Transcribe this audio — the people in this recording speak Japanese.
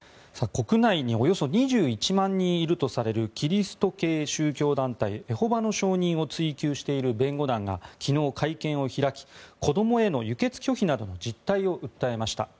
国内におよそ２１万人いるとされるキリスト系宗教団体エホバの証人を追及している弁護団が昨日、会見を開き子どもへの輸血拒否などの実態を訴えました。